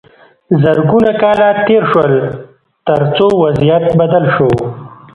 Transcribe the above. زرګونه کاله تیر شول تر څو وضعیت بدل شو.